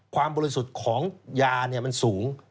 บริสุทธิ์ของยามันสูง